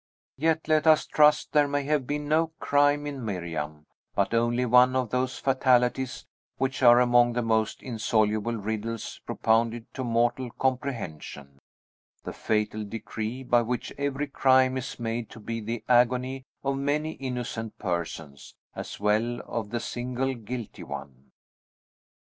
Yet, let us trust, there may have been no crime in Miriam, but only one of those fatalities which are among the most insoluble riddles propounded to mortal comprehension; the fatal decree by which every crime is made to be the agony of many innocent persons, as well as of the single guilty one.